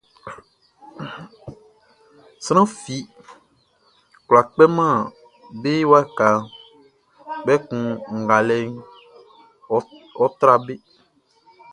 Sran fi kwlá kpɛman be wakaʼn, kpɛkun ngalɛʼn ɔ́ trá be.